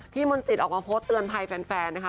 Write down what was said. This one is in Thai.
มนตรีออกมาโพสต์เตือนภัยแฟนนะคะ